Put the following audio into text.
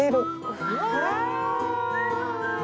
うわ！